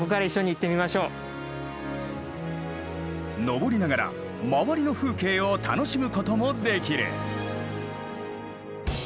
上りながら周りの風景を楽しむこともできる。